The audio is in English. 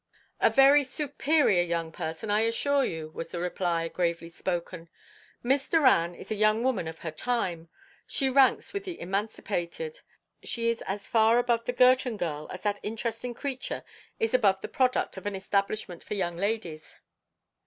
"A very superior young person, I assure you," was the reply, gravely spoken. "Miss Doran is a young woman of her time; she ranks with the emancipated; she is as far above the Girton girl as that interesting creature is above the product of an establishment for young ladies.